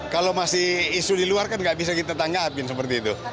kalau masih isu di luar kan nggak bisa kita tanggapin seperti itu